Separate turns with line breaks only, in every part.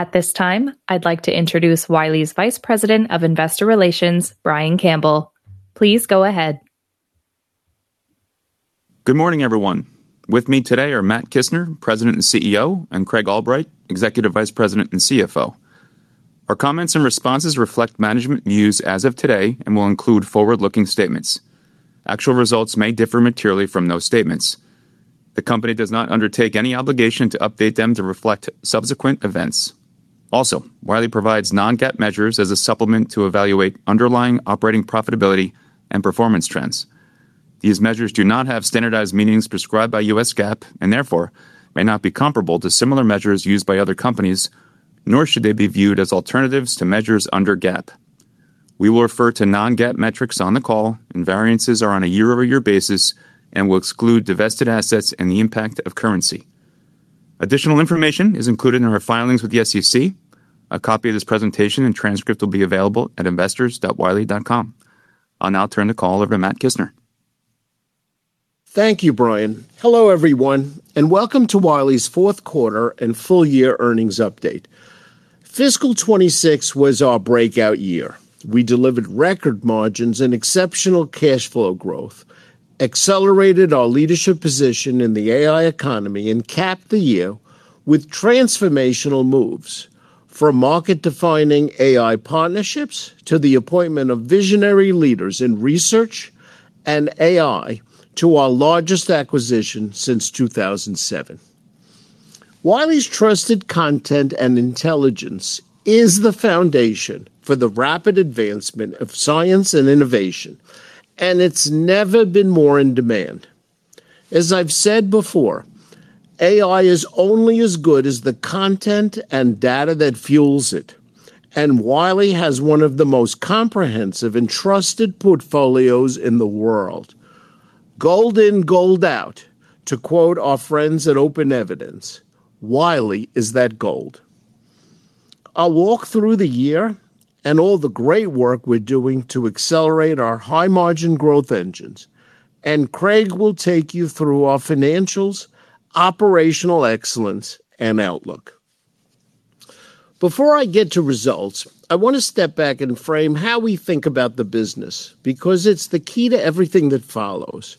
At this time, I'd like to introduce Wiley's Vice President of Investor Relations, Brian Campbell. Please go ahead.
Good morning, everyone. With me today are Matthew Kissner, President and CEO, and Craig Albright, Executive Vice President and CFO. Our comments and responses reflect management views as of today and will include forward-looking statements. Actual results may differ materially from those statements. The company does not undertake any obligation to update them to reflect subsequent events. Also, Wiley provides non-GAAP measures as a supplement to evaluate underlying operating profitability and performance trends. These measures do not have standardized meanings prescribed by U.S. GAAP and therefore may not be comparable to similar measures used by other companies, nor should they be viewed as alternatives to measures under GAAP. We will refer to non-GAAP metrics on the call, and variances are on a year-over-year basis and will exclude divested assets and the impact of currency. Additional information is included in our filings with the SEC. A copy of this presentation and transcript will be available at investors.wiley.com. I'll now turn the call over to Matthew Kissner.
Thank you, Brian. Hello, everyone, and welcome to Wiley's fourth quarter and full-year earnings update. FY 2026 was our breakout year. We delivered record margins and exceptional cash flow growth, accelerated our leadership position in the AI economy, and capped the year with transformational moves, from market-defining AI partnerships to the appointment of visionary leaders in research and AI to our largest acquisition since 2007. Wiley's trusted content and intelligence is the foundation for the rapid advancement of science and innovation, and it's never been more in demand. As I've said before, AI is only as good as the content and data that fuels it, and Wiley has one of the most comprehensive and trusted portfolios in the world. "Gold in, gold out," to quote our friends at OpenEvidence. Wiley is that gold. I'll walk through the year and all the great work we're doing to accelerate our high-margin growth engines. Craig will take you through our financials, operational excellence, and outlook. Before I get to results, I want to step back and frame how we think about the business, because it's the key to everything that follows.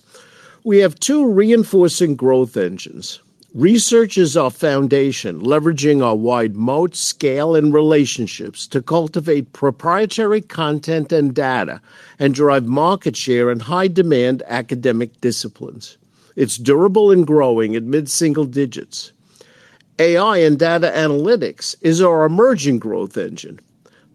We have two reinforcing growth engines. Research is our foundation, leveraging our wide moat scale and relationships to cultivate proprietary content and data and drive market share in high-demand academic disciplines. It's durable and growing at mid-single digits. AI and Data Analytics is our emerging growth engine.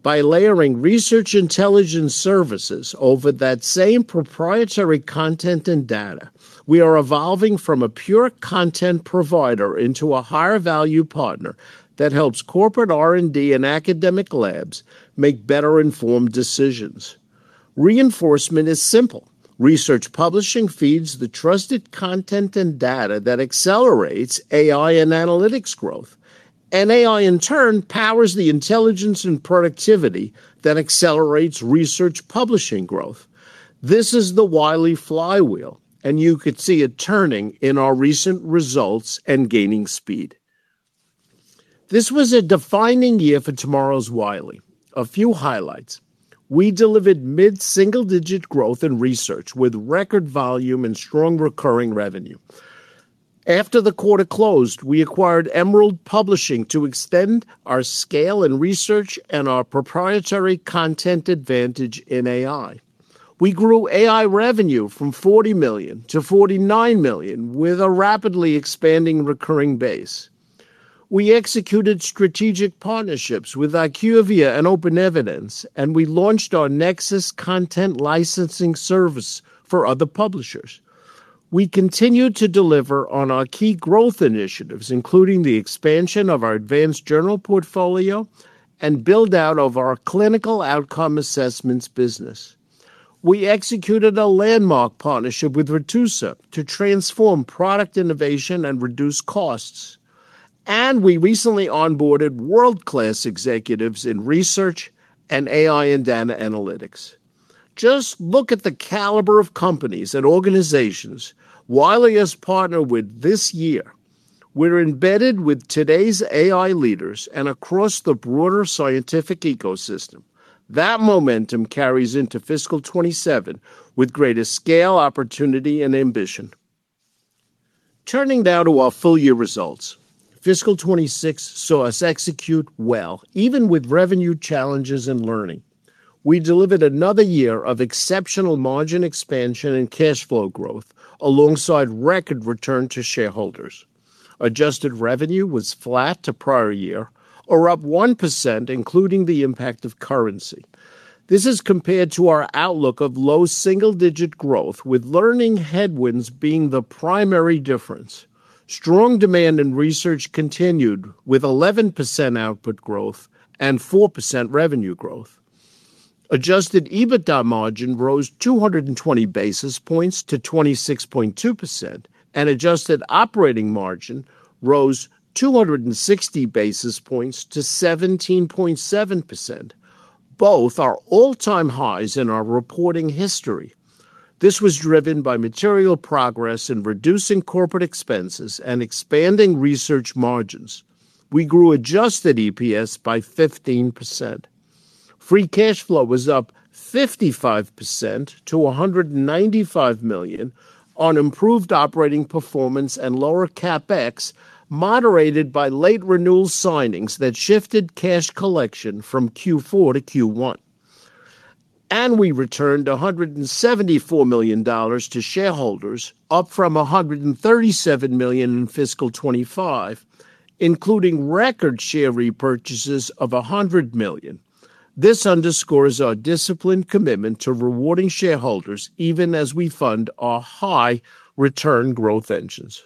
By layering research intelligence services over that same proprietary content and data, we are evolving from a pure content provider into a higher-value partner that helps corporate R&D and academic labs make better-informed decisions. Reinforcement is simple. Research publishing feeds the trusted content and data that accelerates AI and analytics growth. AI, in turn, powers the intelligence and productivity that accelerates research publishing growth. This is the Wiley flywheel, and you could see it turning in our recent results and gaining speed. This was a defining year for tomorrow's Wiley. A few highlights. We delivered mid-single-digit growth in research, with record volume and strong recurring revenue. After the quarter closed, we acquired Emerald Publishing to extend our scale in research and our proprietary content advantage in AI. We grew AI revenue from $40 million to $49 million, with a rapidly expanding recurring base. We executed strategic partnerships with IQVIA and OpenEvidence, and we launched our Nexus content licensing service for other publishers. We continued to deliver on our key growth initiatives, including the expansion of our advanced journal portfolio and build-out of our Clinical Outcome Assessments business. We executed a landmark partnership with Virtusa to transform product innovation and reduce costs. We recently onboarded world-class executives in research and AI and Data Analytics. Just look at the caliber of companies and organizations Wiley has partnered with this year. We're embedded with today's AI leaders and across the broader scientific ecosystem. That momentum carries into Fiscal 2027 with greater scale, opportunity, and ambition. Turning now to our full-year results. Fiscal 2026 saw us execute well, even with revenue challenges in learning. We delivered another year of exceptional margin expansion and cash flow growth alongside record return to shareholders. Adjusted revenue was flat to prior year or up 1%, including the impact of currency. This is compared to our outlook of low single-digit growth, with learning headwinds being the primary difference. Strong demand in research continued, with 11% output growth and 4% revenue growth. Adjusted EBITDA margin rose 220 basis points to 26.2%, and adjusted operating margin rose 260 basis points to 17.7%. Both are all-time highs in our reporting history. This was driven by material progress in reducing corporate expenses and expanding research margins. We grew adjusted EPS by 15%. Free cash flow was up 55% to $195 million on improved operating performance and lower CapEx, moderated by late renewal signings that shifted cash collection from Q4 to Q1. We returned $174 million to shareholders, up from $137 million in Fiscal 2025, including record share repurchases of $100 million. This underscores our disciplined commitment to rewarding shareholders even as we fund our high-return growth engines.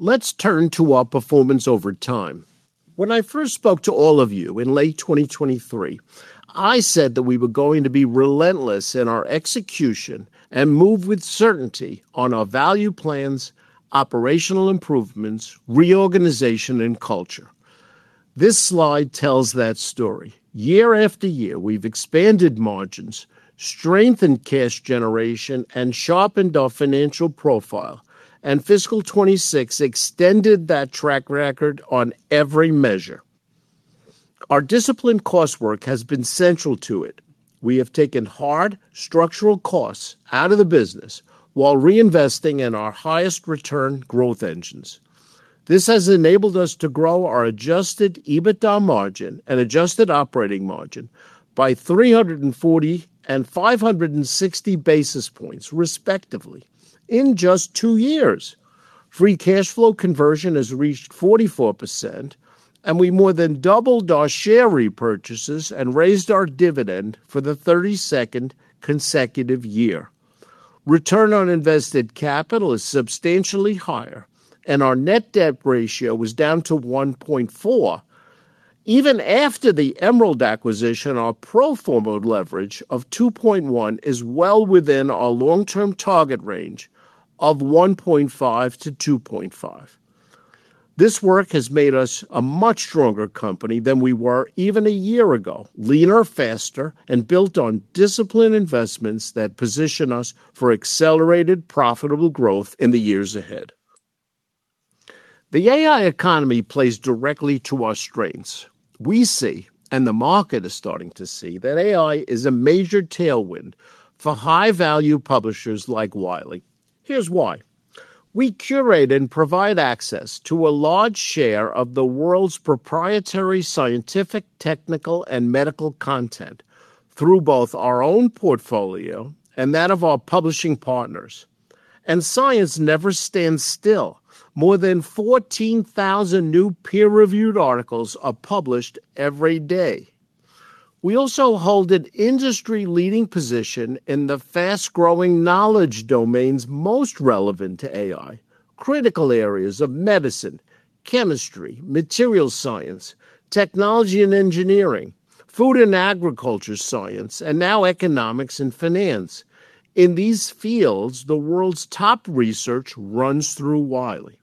Let's turn to our performance over time. When I first spoke to all of you in late 2023, I said that we were going to be relentless in our execution and move with certainty on our value plans, operational improvements, reorganization, and culture. This slide tells that story. Year after year, we've expanded margins, strengthened cash generation, and sharpened our financial profile, and fiscal 2026 extended that track record on every measure. Our disciplined cost work has been central to it. We have taken hard structural costs out of the business while reinvesting in our highest return growth engines. This has enabled us to grow our adjusted EBITDA margin and adjusted operating margin by 340 and 560 basis points, respectively, in just two years. Free cash flow conversion has reached 44%, and we more than doubled our share repurchases and raised our dividend for the 32nd consecutive year. Return on invested capital is substantially higher, and our net debt ratio was down to 1.4. Even after the Emerald acquisition, our pro forma leverage of 2.1 is well within our long-term target range of 1.5 to 2.5. This work has made us a much stronger company than we were even a year ago, leaner, faster, and built on disciplined investments that position us for accelerated profitable growth in the years ahead. The AI economy plays directly to our strengths. We see, and the market is starting to see, that AI is a major tailwind for high-value publishers like Wiley. Here's why. We curate and provide access to a large share of the world's proprietary scientific, technical, and medical content through both our own portfolio and that of our publishing partners. Science never stands still. More than 14,000 new peer-reviewed articles are published every day. We also hold an industry-leading position in the fast-growing knowledge domains most relevant to AI, critical areas of medicine, chemistry, material science, technology and engineering, food and agriculture science, and now economics and finance. In these fields, the world's top research runs through Wiley.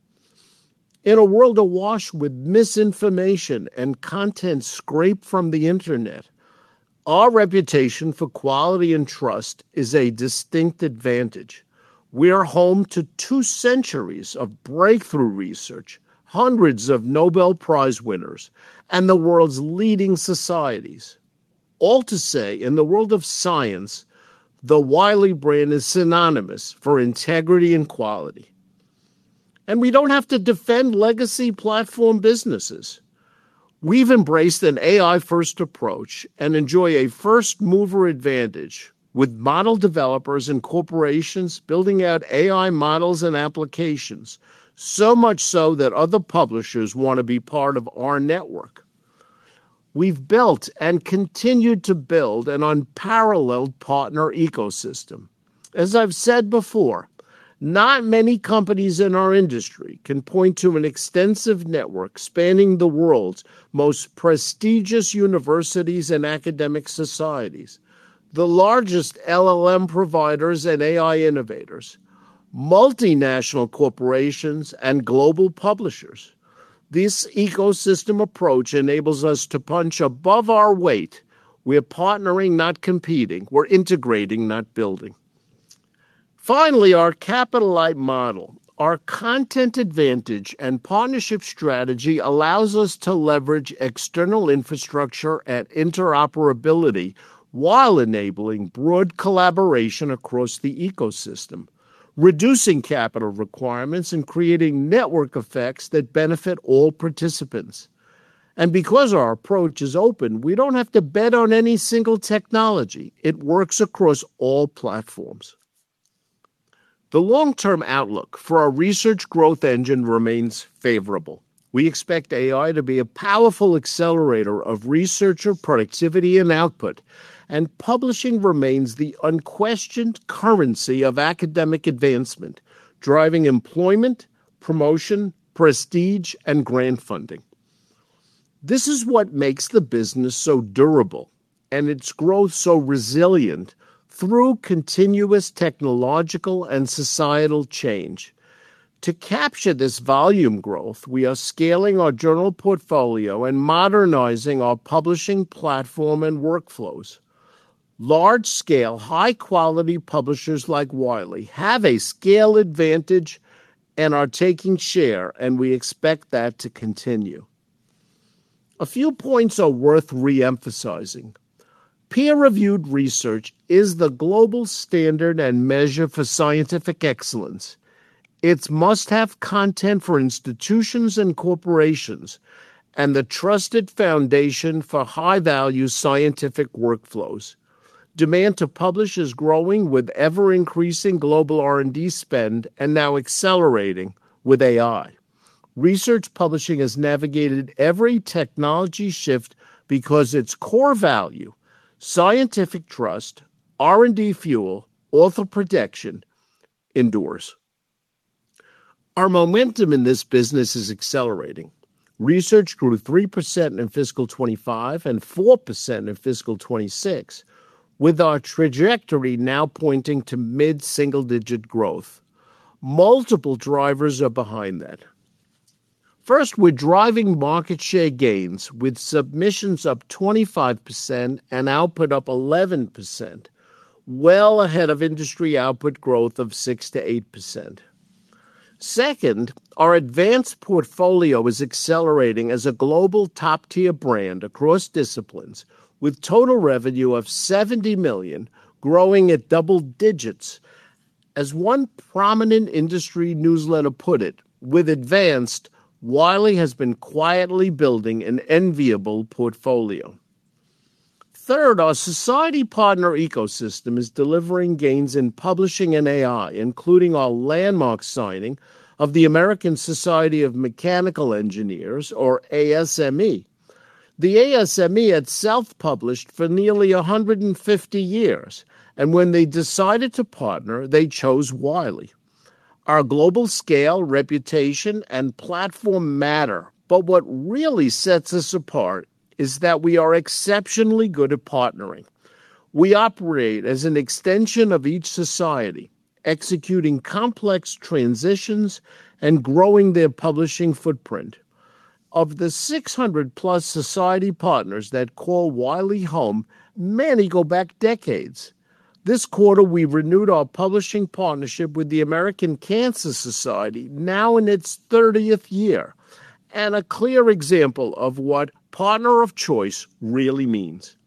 In a world awash with misinformation and content scraped from the internet, our reputation for quality and trust is a distinct advantage. We are home to two centuries of breakthrough research, hundreds of Nobel Prize winners, and the world's leading societies. All to say, in the world of science, the Wiley brand is synonymous for integrity and quality. We don't have to defend legacy platform businesses. We've embraced an AI-first approach and enjoy a first-mover advantage with model developers and corporations building out AI models and applications, so much so that other publishers want to be part of our network. We've built and continue to build an unparalleled partner ecosystem. As I've said before, not many companies in our industry can point to an extensive network spanning the world's most prestigious universities and academic societies, the largest LLM providers and AI innovators, multinational corporations, and global publishers. This ecosystem approach enables us to punch above our weight. We're partnering, not competing. We're integrating, not building. Finally, our capital-light model. Our content advantage and partnership strategy allows us to leverage external infrastructure and interoperability while enabling broad collaboration across the ecosystem, reducing capital requirements, and creating network effects that benefit all participants. Because our approach is open, we don't have to bet on any single technology. It works across all platforms. The long-term outlook for our research growth engine remains favorable. We expect AI to be a powerful accelerator of researcher productivity and output. Publishing remains the unquestioned currency of academic advancement, driving employment, promotion, prestige, and grant funding. This is what makes the business so durable and its growth so resilient through continuous technological and societal change. To capture this volume growth, we are scaling our journal portfolio and modernizing our publishing platform and workflows. Large-scale, high-quality publishers like Wiley have a scale advantage and are taking share. We expect that to continue. A few points are worth re-emphasizing. Peer-reviewed research is the global standard and measure for scientific excellence. It's must-have content for institutions and corporations and the trusted foundation for high-value scientific workflows. Demand to publish is growing with ever-increasing global R&D spend. Now accelerating with AI. Research publishing has navigated every technology shift because its core value, scientific trust, R&D fuel, author protection, endures. Our momentum in this business is accelerating. Research grew 3% in fiscal 2025 and 4% in fiscal 2026, with our trajectory now pointing to mid-single-digit growth. Multiple drivers are behind that. First, we're driving market share gains with submissions up 25% and output up 11%, well ahead of industry output growth of 6%-8%. Second, our Advanced Portfolio is accelerating as a global top-tier brand across disciplines with total revenue of $70 million growing at double digits. As one prominent industry newsletter put it, "With Advanced, Wiley has been quietly building an enviable portfolio." Third, our society partner ecosystem is delivering gains in publishing and AI, including our landmark signing of the American Society of Mechanical Engineers, or ASME. The ASME had self-published for nearly 150 years. When they decided to partner, they chose Wiley. Our global scale, reputation, and platform matter. What really sets us apart is that we are exceptionally good at partnering. We operate as an extension of each society, executing complex transitions and growing their publishing footprint. Of the 600-plus society partners that call Wiley home, many go back decades. This quarter, we renewed our publishing partnership with the American Cancer Society, now in its 30th year. A clear example of what partner of choice really means.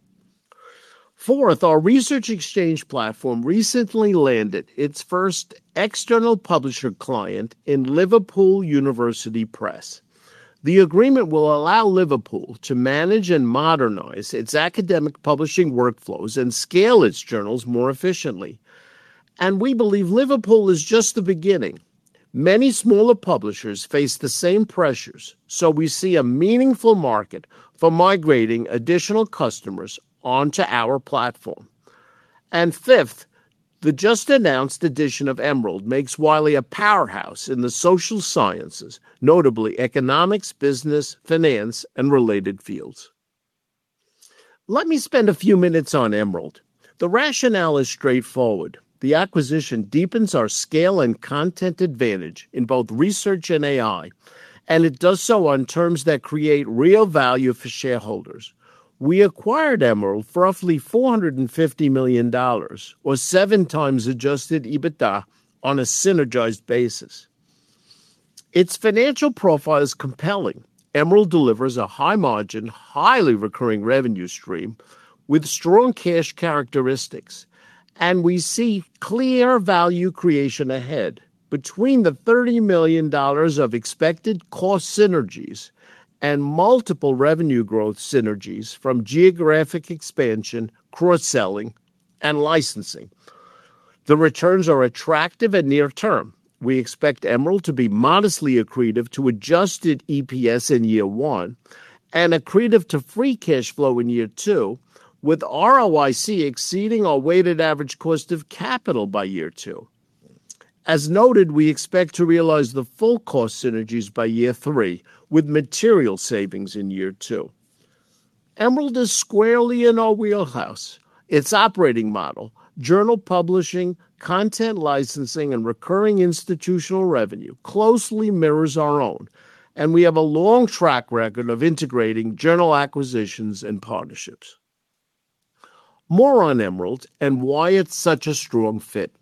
Fourth, our Research Exchange platform recently landed its first external publisher client in Liverpool University Press. The agreement will allow Liverpool to manage and modernize its academic publishing workflows and scale its journals more efficiently. We believe Liverpool is just the beginning. Many smaller publishers face the same pressures. We see a meaningful market for migrating additional customers onto our platform. Fifth, the just-announced addition of Emerald makes Wiley a powerhouse in the social sciences, notably economics, business, finance, and related fields. Let me spend a few minutes on Emerald. The rationale is straightforward. The acquisition deepens our scale and content advantage in both Research and AI. It does so on terms that create real value for shareholders. We acquired Emerald for roughly $450 million, or 7x adjusted EBITDA on a synergized basis. Its financial profile is compelling. Emerald delivers a high-margin, highly recurring revenue stream with strong cash characteristics. We see clear value creation ahead between the $30 million of expected cost synergies and multiple revenue growth synergies from geographic expansion, cross-selling, and licensing. The returns are attractive and near-term. We expect Emerald to be modestly accretive to adjusted EPS in year one and accretive to free cash flow in year two, with ROIC exceeding our weighted average cost of capital by year two. As noted, we expect to realize the full cost synergies by year three, with material savings in year two. Emerald is squarely in our wheelhouse. Its operating model, journal publishing, content licensing, and recurring institutional revenue closely mirrors our own, and we have a long track record of integrating journal acquisitions and partnerships. More on Emerald and why it's such a strong fit.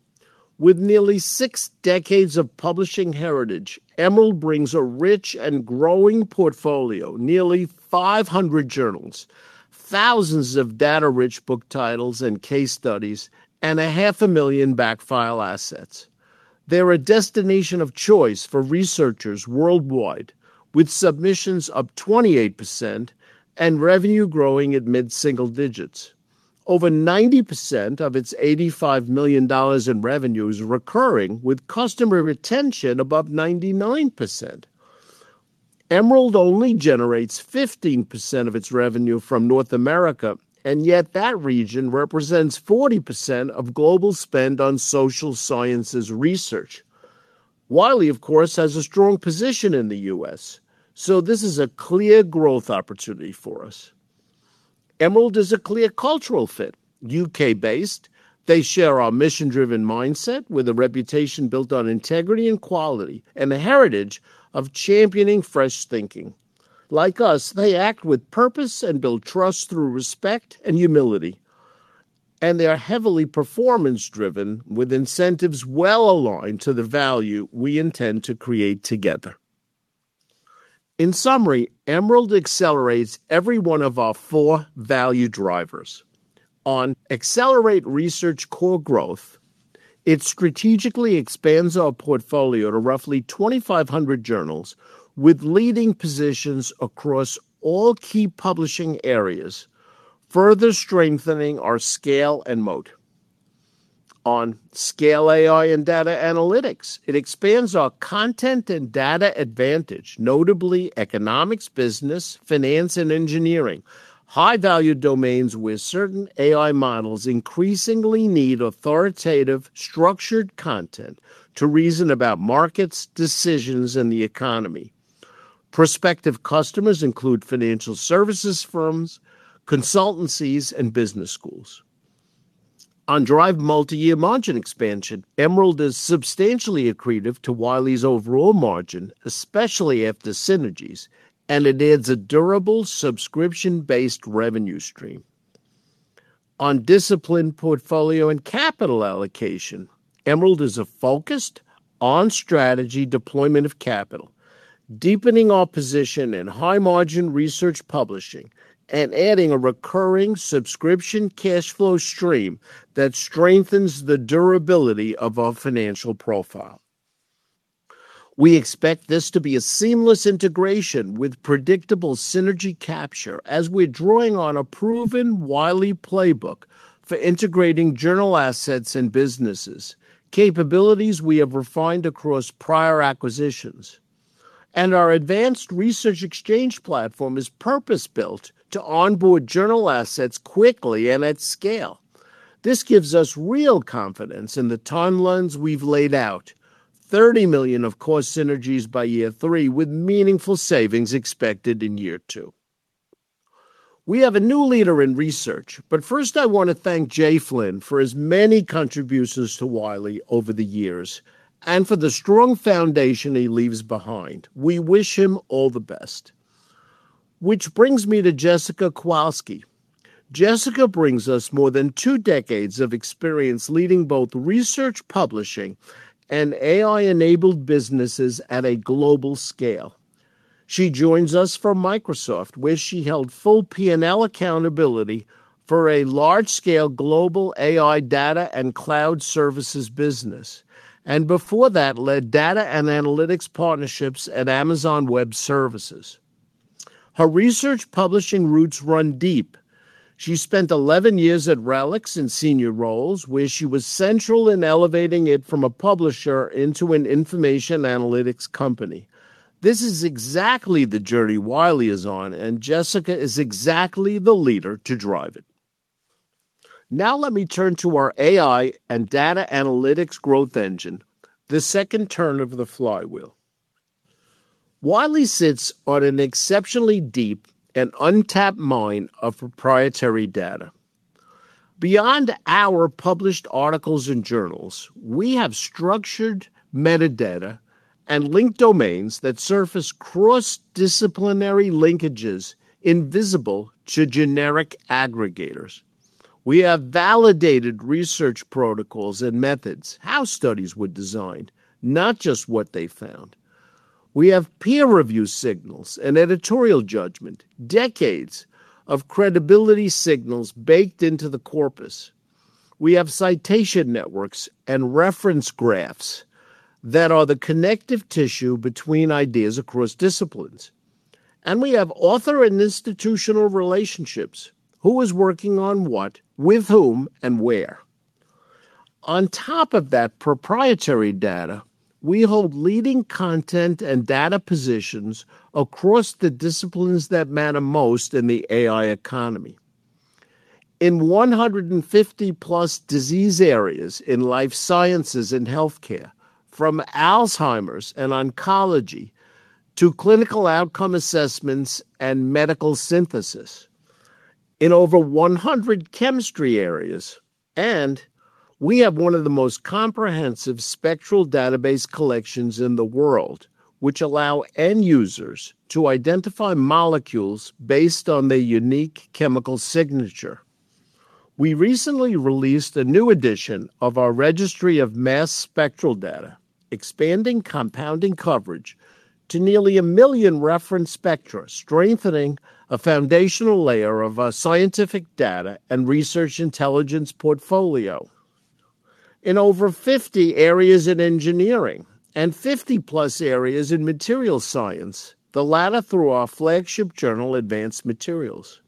With nearly six decades of publishing heritage, Emerald brings a rich and growing portfolio, nearly 500 journals, thousands of data-rich book titles and case studies, and a half a million backfile assets. They're a destination of choice for researchers worldwide, with submissions up 28% and revenue growing at mid-single digits. Over 90% of its $85 million in revenue is recurring, with customer retention above 99%. Emerald only generates 15% of its revenue from North America, and yet that region represents 40% of global spend on social sciences research. Wiley, of course, has a strong position in the U.S., this is a clear growth opportunity for us. Emerald is a clear cultural fit. U.K.-based, they share our mission-driven mindset with a reputation built on integrity and quality and a heritage of championing fresh thinking. Like us, they act with purpose and build trust through respect and humility, and they are heavily performance-driven with incentives well-aligned to the value we intend to create together. In summary, Emerald accelerates every one of our four value drivers. On accelerate research core growth, it strategically expands our portfolio to roughly 2,500 journals with leading positions across all key publishing areas, further strengthening our scale and moat. On scale AI and data analytics, it expands our content and data advantage, notably economics, business, finance, and engineering, high-value domains where certain AI models increasingly need authoritative, structured content to reason about markets, decisions, and the economy. Prospective customers include financial services firms, consultancies, and business schools. On drive multi-year margin expansion, Emerald is substantially accretive to Wiley's overall margin, especially after synergies, and it adds a durable subscription-based revenue stream. On discipline portfolio and capital allocation, Emerald is a focused on-strategy deployment of capital, deepening our position in high-margin research publishing and adding a recurring subscription cash flow stream that strengthens the durability of our financial profile. We expect this to be a seamless integration with predictable synergy capture as we're drawing on a proven Wiley playbook for integrating journal assets and businesses, capabilities we have refined across prior acquisitions. Our advanced Research Exchange platform is purpose-built to onboard journal assets quickly and at scale. This gives us real confidence in the timelines we've laid out, $30 million of core synergies by year three, with meaningful savings expected in year two. We have a new leader in research. First I want to thank Jay Flynn for his many contributions to Wiley over the years and for the strong foundation he leaves behind. We wish him all the best. This brings me to Jessica Kowalski. Jessica brings us more than two decades of experience leading both research publishing and AI-enabled businesses at a global scale. She joins us from Microsoft where she held full P&L accountability for a large-scale global AI data and cloud services business, and before that led data and analytics partnerships at Amazon Web Services. Her research publishing roots run deep. She spent 11 years at RELX in senior roles where she was central in elevating it from a publisher into an information analytics company. This is exactly the journey Wiley is on, Jessica is exactly the leader to drive it. Let me turn to our AI and data analytics growth engine, the second turn of the flywheel. Wiley sits on an exceptionally deep and untapped mine of proprietary data. Beyond our published articles and journals, we have structured metadata and linked domains that surface cross-disciplinary linkages invisible to generic aggregators. We have validated research protocols and methods, how studies were designed, not just what they found. We have peer-review signals and editorial judgment, decades of credibility signals baked into the corpus. We have citation networks and reference graphs that are the connective tissue between ideas across disciplines. We have author and institutional relationships, who is working on what, with whom, and where. On top of that proprietary data, we hold leading content and data positions across the disciplines that matter most in the AI economy. In 150-plus disease areas in life sciences and healthcare, from Alzheimer's and oncology to clinical outcome assessments and medical synthesis, in over 100 chemistry areas, we have one of the most comprehensive spectral database collections in the world, which allow end users to identify molecules based on their unique chemical signature. We recently released a new edition of our registry of mass spectral data, expanding compounding coverage to nearly a million reference spectra, strengthening a foundational layer of our scientific data and research intelligence portfolio. In over 50 areas in engineering and 50-plus areas in materials science, the latter through our flagship journal, "Advanced Materials."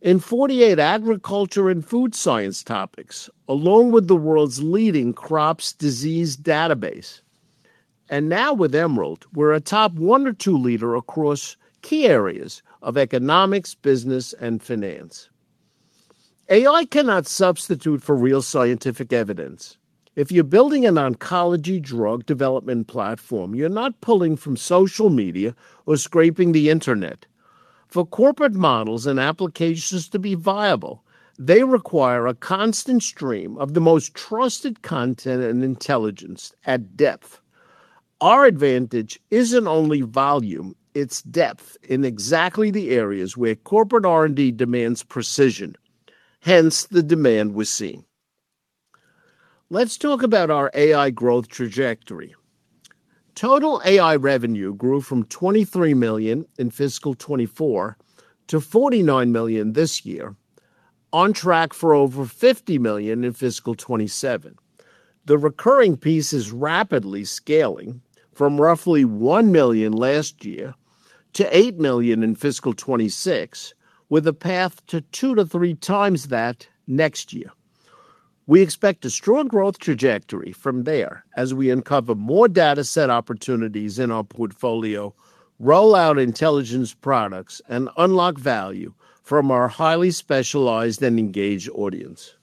In 48 agriculture and food science topics, along with the world's leading crops disease database. Now with Emerald, we're a top one or two leader across key areas of economics, business, and finance. AI cannot substitute for real scientific evidence. If you're building an oncology drug development platform, you're not pulling from social media or scraping the internet. For corporate models and applications to be viable, they require a constant stream of the most trusted content and intelligence at depth. Our advantage isn't only volume, it's depth in exactly the areas where corporate R&D demands precision, hence the demand we're seeing. Let's talk about our AI growth trajectory. Total AI revenue grew from $23 million in fiscal 2024 to $49 million this year, on track for over $50 million in fiscal 2027. The recurring piece is rapidly scaling from roughly $1 million last year to $8 million in fiscal 2026, with a path to two to three times that next year. We expect a strong growth trajectory from there as we uncover more data set opportunities in our portfolio, roll out intelligence products, and unlock value from our highly specialized and engaged audience.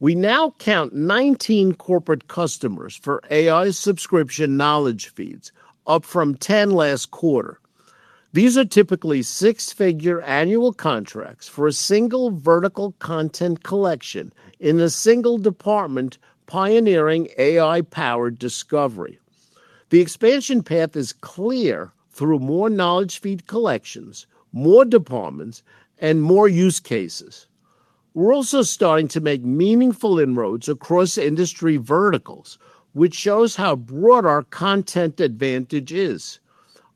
We now count 19 corporate customers for AI subscription knowledge feeds, up from 10 last quarter. These are typically six-figure annual contracts for a single vertical content collection in a single department pioneering AI-powered discovery. The expansion path is clear through more knowledge feed collections, more departments, and more use cases. We're also starting to make meaningful inroads across industry verticals, which shows how broad our content advantage is.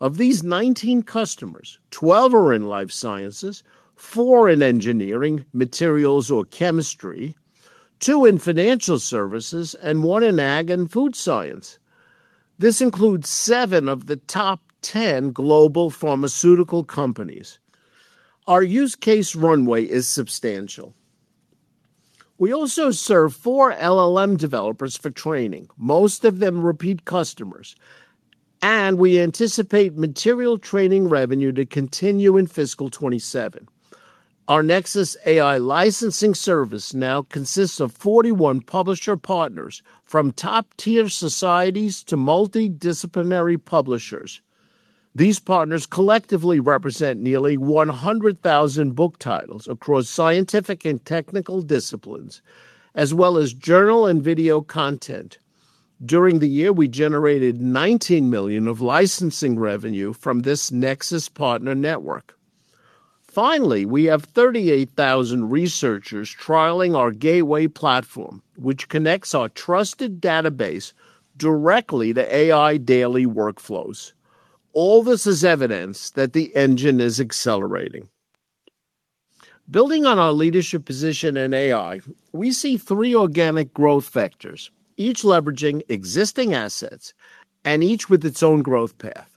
Of these 19 customers, 12 are in life sciences, four in engineering, materials, or chemistry, two in financial services, and one in ag and food science. This includes seven of the top 10 global pharmaceutical companies. Our use case runway is substantial. We also serve four LLM developers for training, most of them repeat customers, and we anticipate material training revenue to continue in fiscal 2027. Our Nexus AI licensing service now consists of 41 publisher partners, from top-tier societies to multidisciplinary publishers. These partners collectively represent nearly 100,000 book titles across scientific and technical disciplines, as well as journal and video content. During the year, we generated $19 million of licensing revenue from this Nexus partner network. We have 38,000 researchers trialing our Wiley AI Gateway platform, which connects our trusted database directly to AI daily workflows. All this is evidence that the engine is accelerating. Building on our leadership position in AI, we see three organic growth vectors, each leveraging existing assets and each with its own growth path.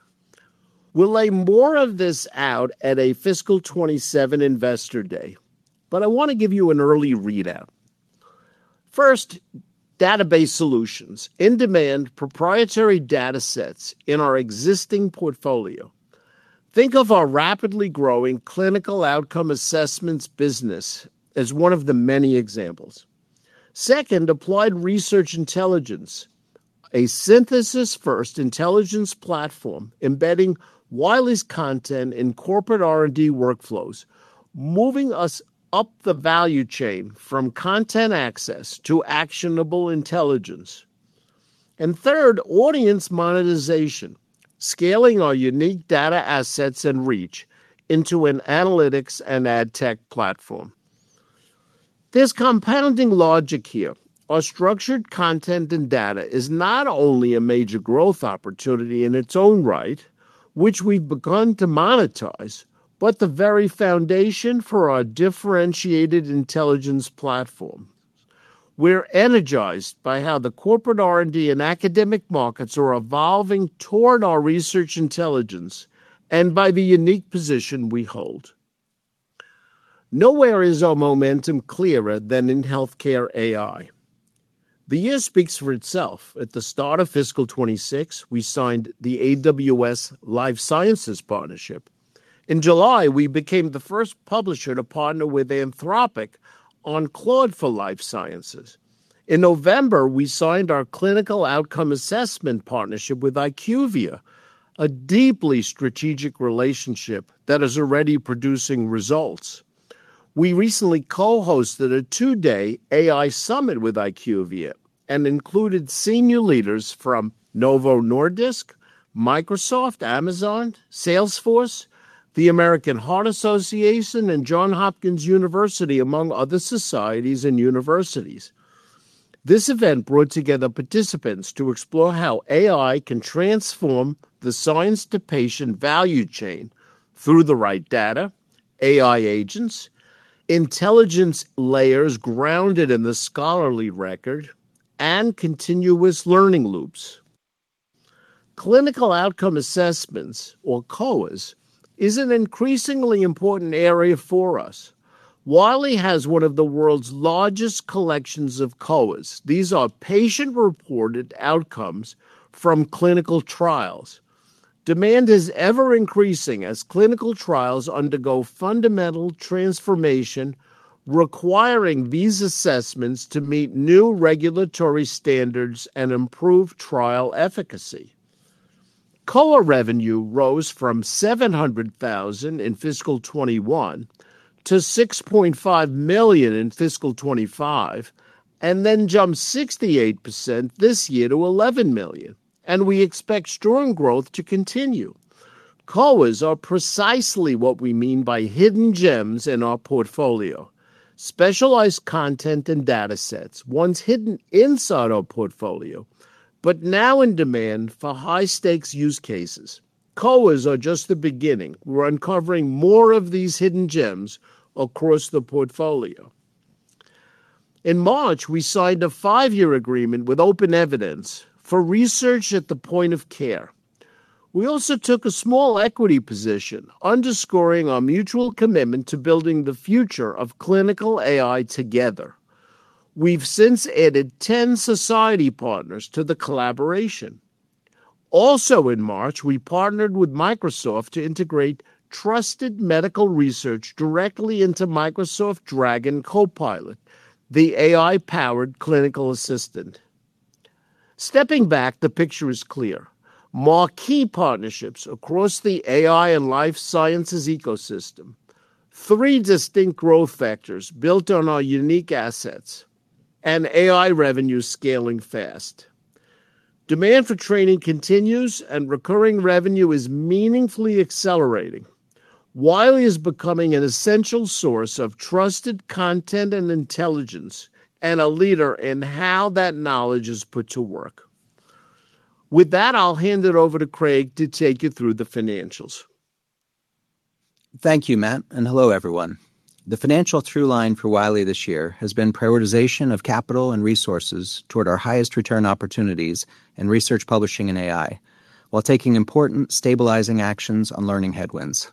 We'll lay more of this out at a fiscal 2027 investor day, I want to give you an early readout. First, database solutions, in-demand proprietary data sets in our existing portfolio. Think of our rapidly growing clinical outcome assessments business as one of the many examples. Second, applied research intelligence, a synthesis-first intelligence platform embedding Wiley's content in corporate R&D workflows, moving us up the value chain from content access to actionable intelligence. Third, audience monetization, scaling our unique data assets and reach into an analytics and ad tech platform. There's compounding logic here. Our structured content and data is not only a major growth opportunity in its own right, which we've begun to monetize, but the very foundation for our differentiated intelligence platform. We're energized by how the corporate R&D and academic markets are evolving toward our research intelligence and by the unique position we hold. Nowhere is our momentum clearer than in healthcare AI. The year speaks for itself. At the start of fiscal 2026, we signed the AWS Life Sciences partnership. In July, we became the first publisher to partner with Anthropic on Claude for Life Sciences. In November, we signed our clinical outcome assessment partnership with IQVIA, a deeply strategic relationship that is already producing results. We recently co-hosted a two-day AI summit with IQVIA, included senior leaders from Novo Nordisk, Microsoft, Amazon, Salesforce, the American Heart Association, and Johns Hopkins University, among other societies and universities. This event brought together participants to explore how AI can transform the science-to-patient value chain through the right data, AI agents, intelligence layers grounded in the scholarly record, and continuous learning loops. Clinical outcome assessments, or COAs, is an increasingly important area for us. Wiley has one of the world's largest collections of COAs. These are patient-reported outcomes from clinical trials. Demand is ever-increasing as clinical trials undergo fundamental transformation, requiring these assessments to meet new regulatory standards and improve trial efficacy. COA revenue rose from $700,000 in fiscal 2021 to $6.5 million in fiscal 2025, then jumped 68% this year to $11 million, we expect strong growth to continue. COAs are precisely what we mean by hidden gems in our portfolio, specialized content and data sets, once hidden inside our portfolio, but now in demand for high-stakes use cases. COAs are just the beginning. We're uncovering more of these hidden gems across the portfolio. In March, we signed a five-year agreement with OpenEvidence for research at the point of care. We also took a small equity position underscoring our mutual commitment to building the future of clinical AI together. We've since added 10 society partners to the collaboration. Also in March, we partnered with Microsoft to integrate trusted medical research directly into Microsoft Dragon Copilot, the AI-powered clinical assistant. Stepping back, the picture is clear. Marquee partnerships across the AI and life sciences ecosystem, three distinct growth factors built on our unique assets. AI revenue scaling fast. Demand for training continues. Recurring revenue is meaningfully accelerating. Wiley is becoming an essential source of trusted content and intelligence and a leader in how that knowledge is put to work. With that, I'll hand it over to Craig to take you through the financials.
Thank you, Matt. Hello, everyone. The financial through line for Wiley this year has been prioritization of capital and resources toward our highest return opportunities in research publishing and AI while taking important stabilizing actions on learning headwinds.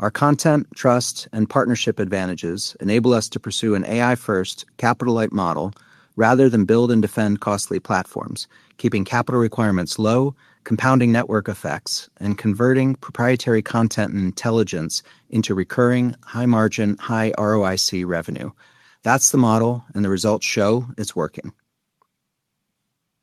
Our content, trust, and partnership advantages enable us to pursue an AI-first capital-light model rather than build and defend costly platforms, keeping capital requirements low, compounding network effects, and converting proprietary content and intelligence into recurring, high-margin, high ROIC revenue. That's the model. The results show it's working.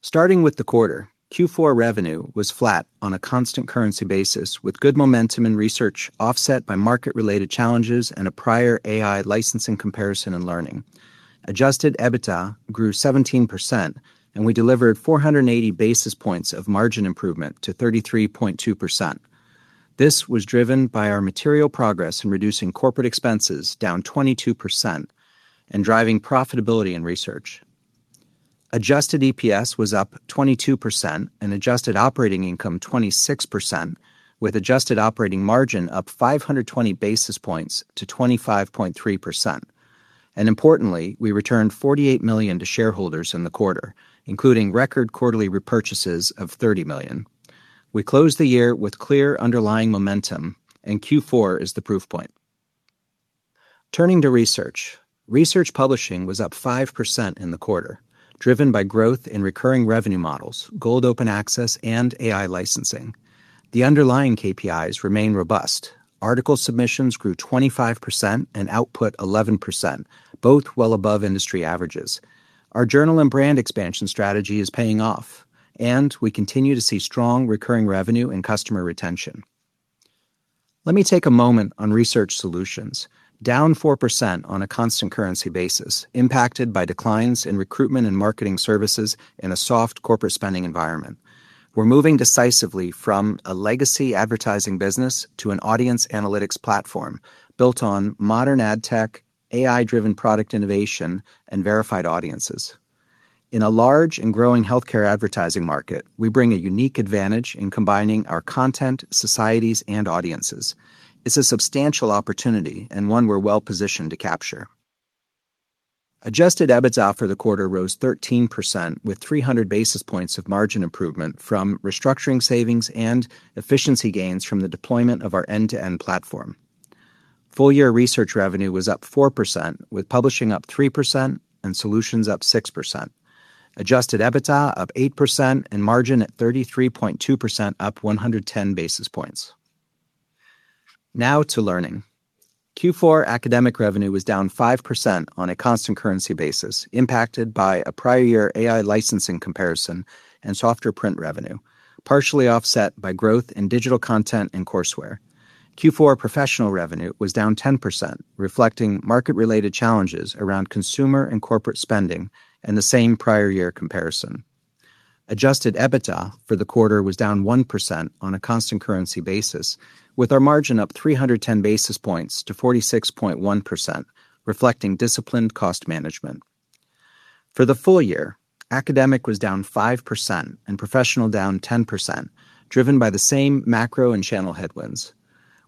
Starting with the quarter, Q4 revenue was flat on a constant currency basis with good momentum and research offset by market-related challenges and a prior AI licensing comparison and learning. Adjusted EBITDA grew 17%. We delivered 480 basis points of margin improvement to 33.2%. This was driven by our material progress in reducing corporate expenses down 22%. Driving profitability and research. Adjusted EPS was up 22%. Adjusted operating income 26%, with adjusted operating margin up 520 basis points to 25.3%. Importantly, we returned $48 million to shareholders in the quarter, including record quarterly repurchases of $30 million. We closed the year with clear underlying momentum. Q4 is the proof point. Turning to research publishing was up 5% in the quarter, driven by growth in recurring revenue models, gold open access, and AI licensing. The underlying KPIs remain robust. Article submissions grew 25%. Output 11%, both well above industry averages. Our journal and brand expansion strategy is paying off. We continue to see strong recurring revenue and customer retention. Let me take a moment on research solutions, down 4% on a constant currency basis, impacted by declines in recruitment and marketing services in a soft corporate spending environment. We're moving decisively from a legacy advertising business to an audience analytics platform built on modern ad tech, AI-driven product innovation, and verified audiences. In a large and growing healthcare advertising market, we bring a unique advantage in combining our content, societies, and audiences. It's a substantial opportunity and one we're well-positioned to capture. Adjusted EBITDA for the quarter rose 13%, with 300 basis points of margin improvement from restructuring savings and efficiency gains from the deployment of our end-to-end platform. Full-year research revenue was up 4%, with publishing up 3% and solutions up 6%. Adjusted EBITDA up 8% and margin at 33.2%, up 110 basis points. Now to learning. Q4 academic revenue was down 5% on a constant currency basis, impacted by a prior year AI licensing comparison and softer print revenue, partially offset by growth in digital content and courseware. Q4 professional revenue was down 10%, reflecting market-related challenges around consumer and corporate spending and the same prior year comparison. Adjusted EBITDA for the quarter was down 1% on a constant currency basis, with our margin up 310 basis points to 46.1%, reflecting disciplined cost management. For the full year, academic was down 5% and professional down 10%, driven by the same macro and channel headwinds.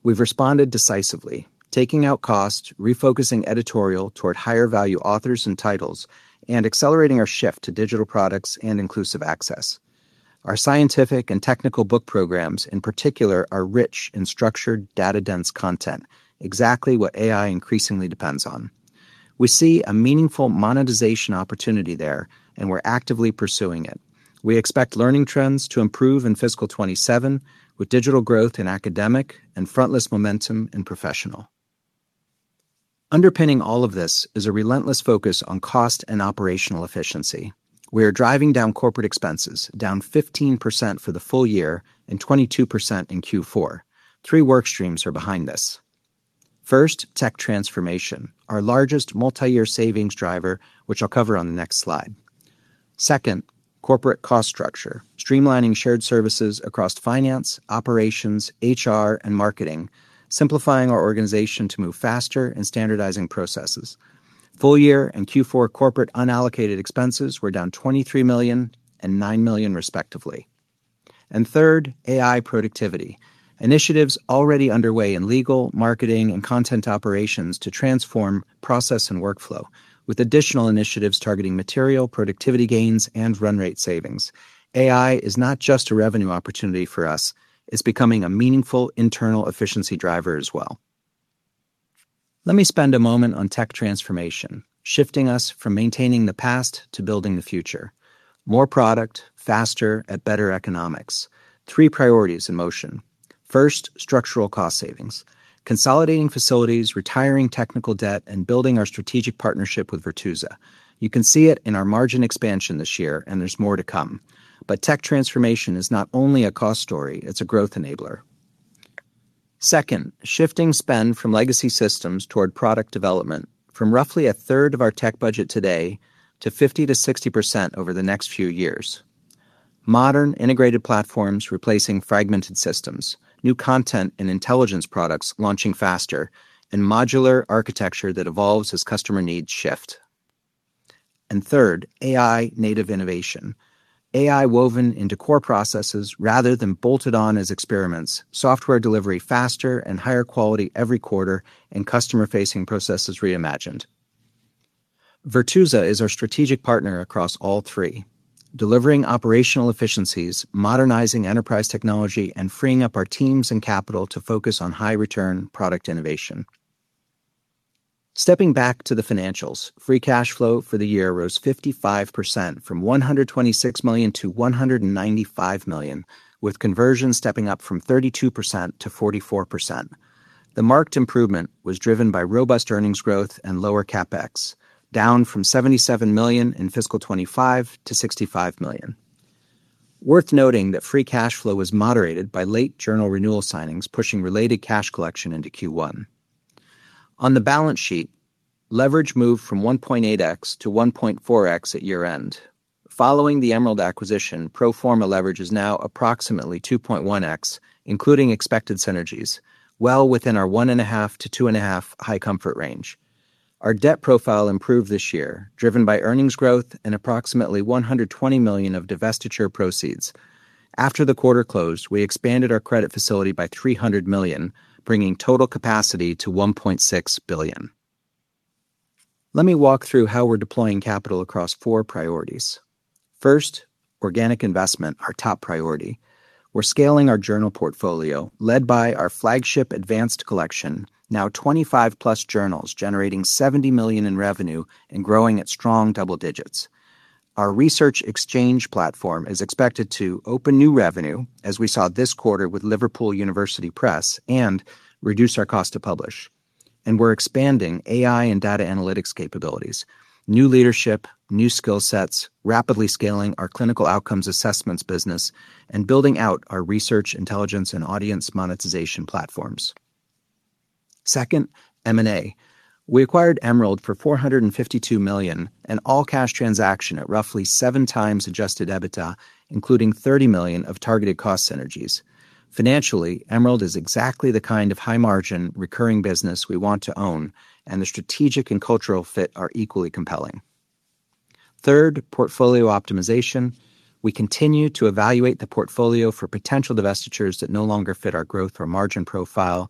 We've responded decisively, taking out cost, refocusing editorial toward higher-value authors and titles, and accelerating our shift to digital products and inclusive access. Our scientific and technical book programs, in particular, are rich in structured, data-dense content, exactly what AI increasingly depends on. We see a meaningful monetization opportunity there, we're actively pursuing it. We expect learning trends to improve in fiscal 2027 with digital growth in academic and frontlist momentum in professional. Underpinning all of this is a relentless focus on cost and operational efficiency. We are driving down corporate expenses, down 15% for the full year and 22% in Q4. Three work streams are behind this. First, tech transformation, our largest multi-year savings driver, which I'll cover on the next slide. Second, corporate cost structure, streamlining shared services across finance, operations, HR, and marketing, simplifying our organization to move faster and standardizing processes. Full year and Q4 corporate unallocated expenses were down $23 million and $9 million respectively. Third, AI productivity. Initiatives already underway in legal, marketing, and content operations to transform process and workflow with additional initiatives targeting material productivity gains and run rate savings. AI is not just a revenue opportunity for us. It's becoming a meaningful internal efficiency driver as well. Let me spend a moment on tech transformation, shifting us from maintaining the past to building the future. More product, faster, at better economics. Three priorities in motion. First, structural cost savings. Consolidating facilities, retiring technical debt, and building our strategic partnership with Virtusa. You can see it in our margin expansion this year, and there's more to come. Tech transformation is not only a cost story, it's a growth enabler. Second, shifting spend from legacy systems toward product development from roughly a third of our tech budget today to 50%-60% over the next few years. Modern integrated platforms replacing fragmented systems, new content and intelligence products launching faster, and modular architecture that evolves as customer needs shift. Third, AI native innovation. AI woven into core processes rather than bolted on as experiments, software delivery faster and higher quality every quarter, and customer-facing processes reimagined. Virtusa is our strategic partner across all three, delivering operational efficiencies, modernizing enterprise technology, and freeing up our teams and capital to focus on high-return product innovation. Stepping back to the financials, free cash flow for the year rose 55%, from $126 million to $195 million, with conversion stepping up from 32% to 44%. The marked improvement was driven by robust earnings growth and lower CapEx, down from $77 million in fiscal 2025 to $65 million. Worth noting that free cash flow was moderated by late journal renewal signings, pushing related cash collection into Q1. On the balance sheet, leverage moved from 1.8x to 1.4x at year-end. Following the Emerald acquisition, pro forma leverage is now approximately 2.1x, including expected synergies, well within our one and a half to two and a half high comfort range. Our debt profile improved this year, driven by earnings growth and approximately $120 million of divestiture proceeds. After the quarter closed, we expanded our credit facility by $300 million, bringing total capacity to $1.6 billion. Let me walk through how we're deploying capital across four priorities. First, organic investment, our top priority. We're scaling our journal portfolio, led by our flagship Advanced Portfolio, now 25+ journals, generating $70 million in revenue and growing at strong double digits. Our Research Exchange platform is expected to open new revenue, as we saw this quarter with Liverpool University Press, and reduce our cost to publish. We're expanding AI and data analytics capabilities, new leadership, new skill sets, rapidly scaling our Clinical Outcome Assessments business, and building out our research, intelligence, and audience monetization platforms. Second, M&A. We acquired Emerald for $452 million, an all-cash transaction at roughly 7x adjusted EBITDA, including $30 million of targeted cost synergies. Financially, Emerald is exactly the kind of high-margin recurring business we want to own, and the strategic and cultural fit are equally compelling. Third, portfolio optimization. We continue to evaluate the portfolio for potential divestitures that no longer fit our growth or margin profile.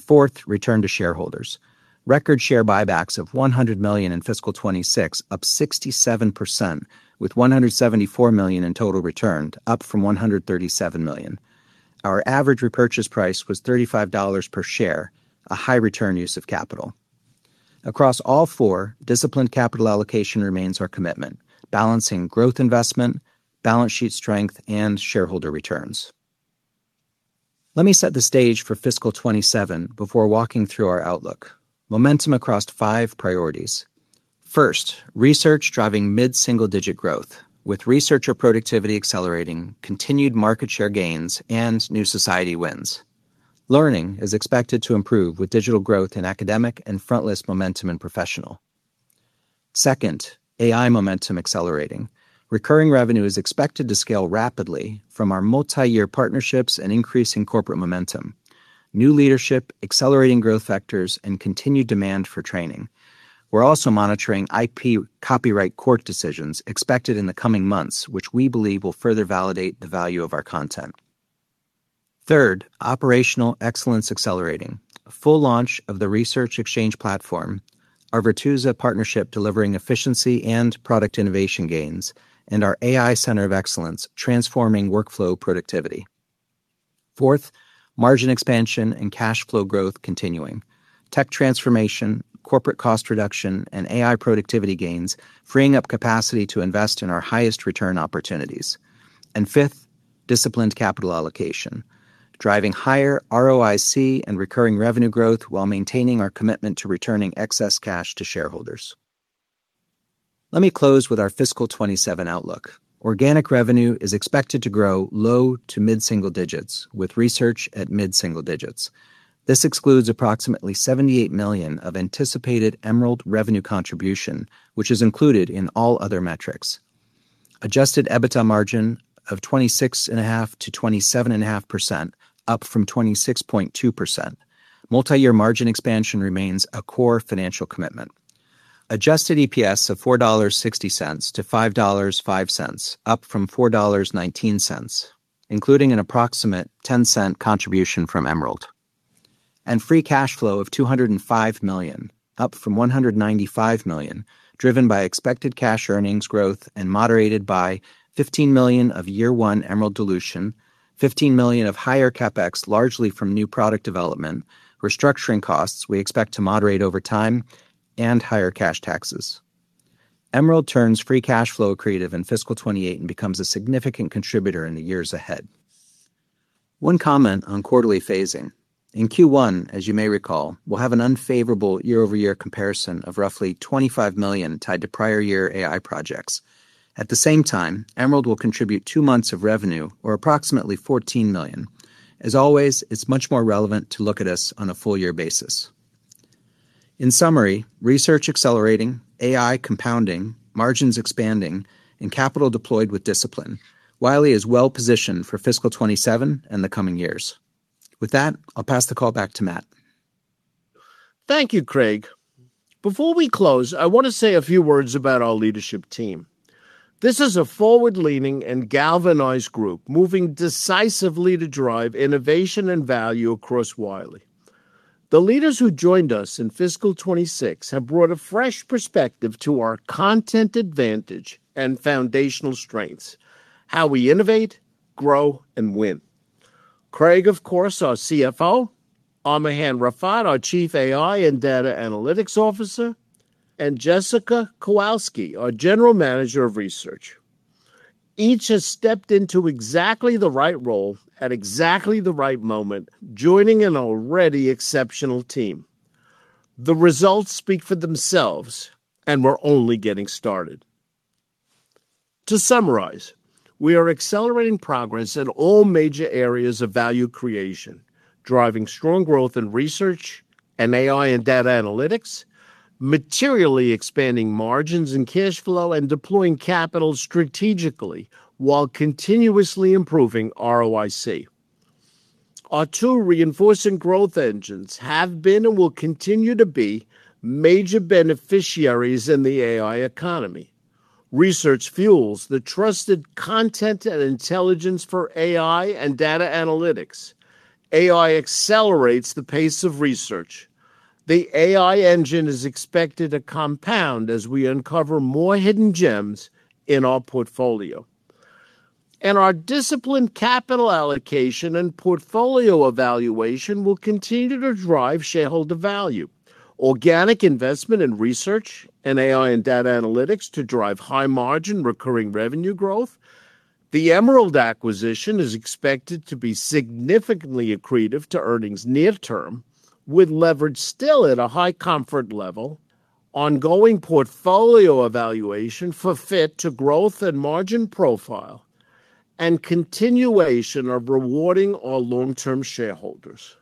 Fourth, return to shareholders. Record share buybacks of $100 million in fiscal 2026, up 67%, with $174 million in total returned, up from $137 million. Our average repurchase price was $35 per share, a high-return use of capital. Across all four, disciplined capital allocation remains our commitment, balancing growth investment, balance sheet strength, and shareholder returns. Let me set the stage for fiscal 2027 before walking through our outlook. Momentum across five priorities. First, research driving mid-single-digit growth with researcher productivity accelerating, continued market share gains, and new society wins. Learning is expected to improve with digital growth in academic and frontlist momentum in professional. Second, AI momentum accelerating. Recurring revenue is expected to scale rapidly from our multi-year partnerships and increasing corporate momentum, new leadership, accelerating growth vectors, and continued demand for training. We're also monitoring IP copyright court decisions expected in the coming months, which we believe will further validate the value of our content. Third, operational excellence accelerating. Full launch of the Research Exchange platform, our Virtusa partnership delivering efficiency and product innovation gains, and our AI Center of Excellence transforming workflow productivity. Fourth, margin expansion and cash flow growth continuing. Tech transformation, corporate cost reduction, AI productivity gains, freeing up capacity to invest in our highest return opportunities. Fifth, disciplined capital allocation, driving higher ROIC and recurring revenue growth while maintaining our commitment to returning excess cash to shareholders. Let me close with our fiscal 2027 outlook. Organic revenue is expected to grow low to mid-single digits, with research at mid-single digits. This excludes approximately $78 million of anticipated Emerald revenue contribution, which is included in all other metrics. Adjusted EBITDA margin of 26.5%-27.5%, up from 26.2%. Multi-year margin expansion remains a core financial commitment. Adjusted EPS of $4.60-$5.05, up from $4.19, including an approximate $0.10 contribution from Emerald. Free cash flow of $205 million, up from $195 million, driven by expected cash earnings growth and moderated by $15 million of year one Emerald dilution, $15 million of higher CapEx, largely from new product development, restructuring costs we expect to moderate over time, and higher cash taxes. Emerald turns free cash flow accretive in fiscal 2028 and becomes a significant contributor in the years ahead. One comment on quarterly phasing. In Q1, as you may recall, we'll have an unfavorable year-over-year comparison of roughly $25 million tied to prior year AI projects. At the same time, Emerald will contribute two months of revenue, or approximately $14 million. As always, it's much more relevant to look at us on a full-year basis. In summary, research accelerating, AI compounding, margins expanding, and capital deployed with discipline. Wiley is well-positioned for fiscal 2027 and the coming years. With that, I'll pass the call back to Matt.
Thank you, Craig. Before we close, I want to say a few words about our leadership team. This is a forward-leaning and galvanized group, moving decisively to drive innovation and value across Wiley. The leaders who joined us in fiscal 2026 have brought a fresh perspective to our content advantage and foundational strengths, how we innovate, grow, and win. Craig, of course, our CFO, Armughan Rafat, our Chief AI and Data Analytics Officer, and Jessica Kowalski, our General Manager of Research. Each has stepped into exactly the right role at exactly the right moment, joining an already exceptional team. The results speak for themselves, and we're only getting started. To summarize, we are accelerating progress in all major areas of value creation, driving strong growth in research and AI and data analytics, materially expanding margins and cash flow, and deploying capital strategically while continuously improving ROIC. Our two reinforcing growth engines have been, and will continue to be, major beneficiaries in the AI economy. Research fuels the trusted content and intelligence for AI and data analytics. AI accelerates the pace of research. The AI engine is expected to compound as we uncover more hidden gems in our portfolio. Our disciplined capital allocation and portfolio evaluation will continue to drive shareholder value. Organic investment in Research and AI and Data Analytics to drive high-margin recurring revenue growth. The Emerald acquisition is expected to be significantly accretive to earnings near term, with leverage still at a high comfort level, ongoing portfolio evaluation for fit to growth and margin profile, and continuation of rewarding our long-term shareholders.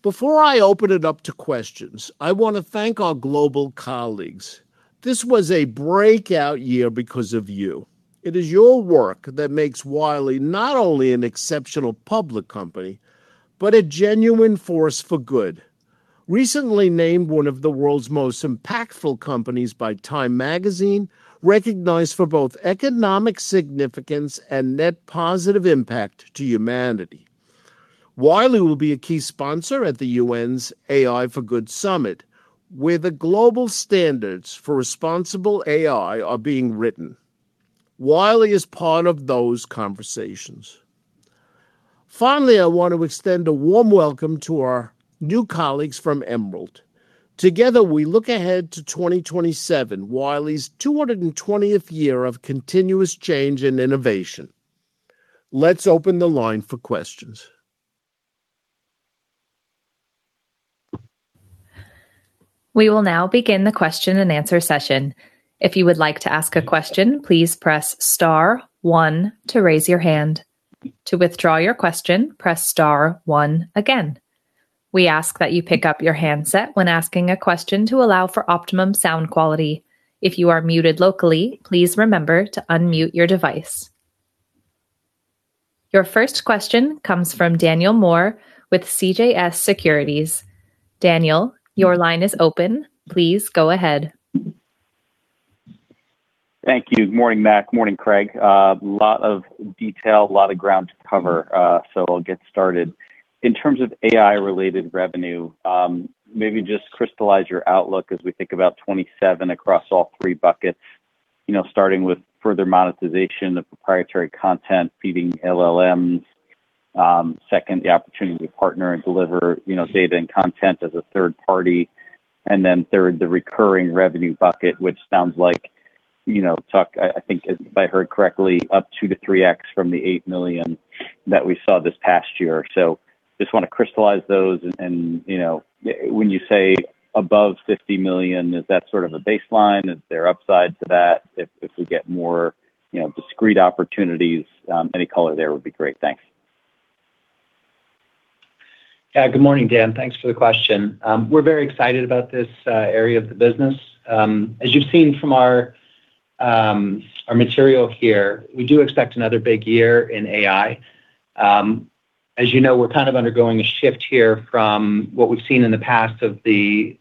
Before I open it up to questions, I want to thank our global colleagues. This was a breakout year because of you. It is your work that makes Wiley not only an exceptional public company, but a genuine force for good. Recently named one of the world's most impactful companies by "Time" magazine, recognized for both economic significance and net positive impact to humanity. Wiley will be a key sponsor at the UN's AI for Good Global Summit, where the global standards for responsible AI are being written. Wiley is part of those conversations. Finally, I want to extend a warm welcome to our new colleagues from Emerald. Together, we look ahead to 2027, Wiley's 220th year of continuous change and innovation. Let's open the line for questions.
We will now begin the question and answer session. If you would like to ask a question, please press star one to raise your hand. To withdraw your question, press star one again. We ask that you pick up your handset when asking a question to allow for optimum sound quality. If you are muted locally, please remember to unmute your device. Your first question comes from Daniel Moore with CJS Securities. Daniel, your line is open. Please go ahead.
Thank you. Morning, Matt. Morning, Craig. A lot of detail, a lot of ground to cover. I'll get started. In terms of AI-related revenue, maybe just crystallize your outlook as we think about 2027 across all three buckets, starting with further monetization of proprietary content, feeding LLMs. Second, the opportunity to partner and deliver data and content as a third party. Third, the recurring revenue bucket, which sounds like, Tuck, I think if I heard correctly, up 2 to 3X from the $8 million that we saw this past year. Just want to crystallize those and when you say above $50 million, is that sort of a baseline? Is there upside to that if we get more discrete opportunities? Any color there would be great. Thanks.
Good morning, Dan. Thanks for the question. We're very excited about this area of the business. As you've seen from our material here, we do expect another big year in AI. As you know, we're kind of undergoing a shift here from what we've seen in the past of the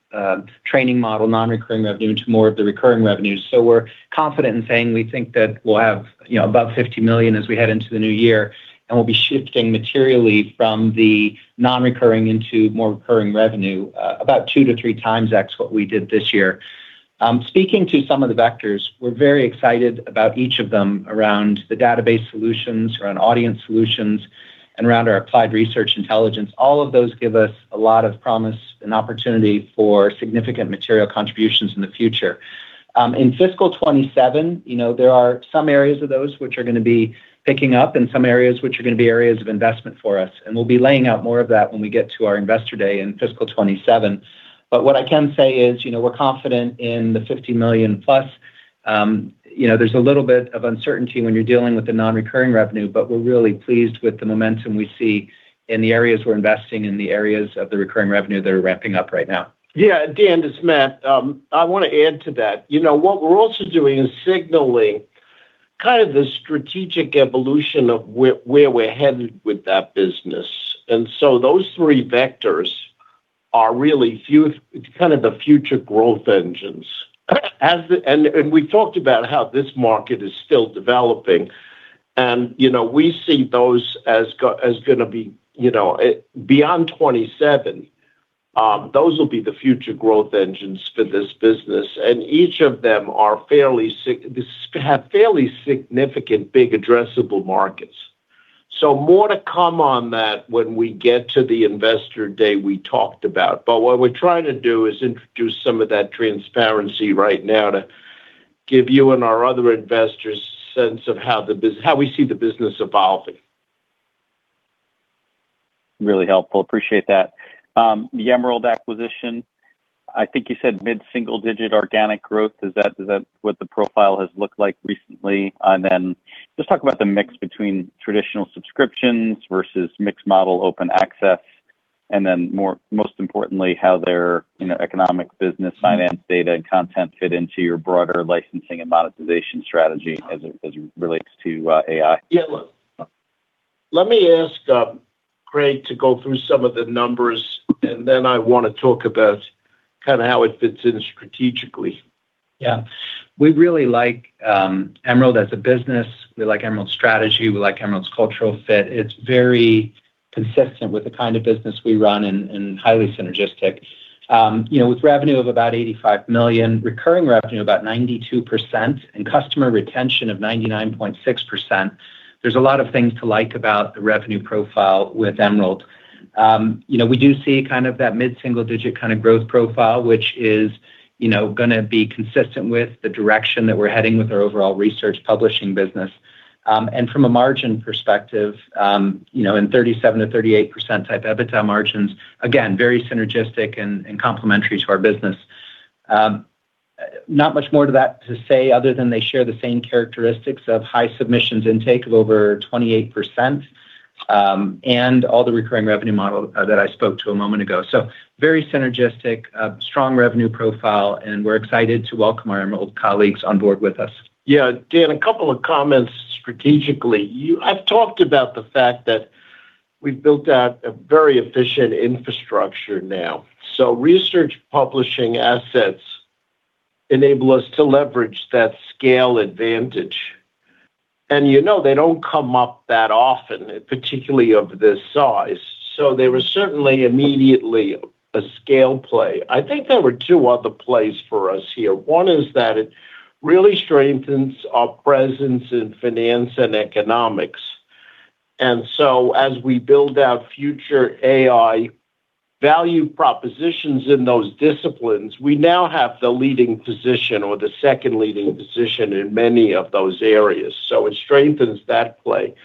training model, non-recurring revenue, to more of the recurring revenues. We're confident in saying we think that we'll have above $50 million as we head into the new year, and we'll be shifting materially from the non-recurring into more recurring revenue, about two to three times X what we did this year. Speaking to some of the vectors, we're very excited about each of them around the database solutions, around audience solutions, and around our applied research intelligence. All of those give us a lot of promise and opportunity for significant material contributions in the future. In fiscal 2027, there are some areas of those which are going to be picking up and some areas which are going to be areas of investment for us, and we'll be laying out more of that when we get to our investor day in fiscal 2027. What I can say is we're confident in the $50 million plus. There's a little bit of uncertainty when you're dealing with the non-recurring revenue, but we're really pleased with the momentum we see in the areas we're investing, in the areas of the recurring revenue that are ramping up right now.
Dan, it's Matt. I want to add to that. What we're also doing is signaling kind of the strategic evolution of where we're headed with that business. Those three vectors are really kind of the future growth engines. We talked about how this market is still developing. We see those as going to be, beyond 2027, those will be the future growth engines for this business. Each of them have fairly significant, big addressable markets. More to come on that when we get to the investor day we talked about. What we're trying to do is introduce some of that transparency right now to give you and our other investors sense of how we see the business evolving.
Really helpful. Appreciate that. The Emerald acquisition, I think you said mid-single digit organic growth. Is that what the profile has looked like recently? Then just talk about the mix between traditional subscriptions versus mixed model Open Access, and then most importantly, how their economic business finance data and content fit into your broader licensing and monetization strategy as it relates to AI.
Let me ask Craig to go through some of the numbers, and then I want to talk about kind of how it fits in strategically.
We really like Emerald as a business. We like Emerald's strategy. We like Emerald's cultural fit. It's very consistent with the kind of business we run and highly synergistic. With revenue of about $85 million, recurring revenue about 92%, and customer retention of 99.6%, there's a lot of things to like about the revenue profile with Emerald. We do see kind of that mid-single digit kind of growth profile, which is going to be consistent with the direction that we're heading with our overall research publishing business. From a margin perspective, in 37%-38% type EBITDA margins, again, very synergistic and complementary to our business. Not much more to that to say other than they share the same characteristics of high submissions intake of over 28%, and all the recurring revenue model that I spoke to a moment ago. Very synergistic, strong revenue profile, and we're excited to welcome our Emerald colleagues on board with us.
Dan, a couple of comments strategically. I've talked about the fact that we've built out a very efficient infrastructure now. Research publishing assets enable us to leverage that scale advantage. You know they don't come up that often, particularly of this size. There was certainly immediately a scale play. I think there were two other plays for us here. One is that it really strengthens our presence in finance and economics. As we build out future AI value propositions in those disciplines, we now have the leading position or the second leading position in many of those areas. It strengthens that play.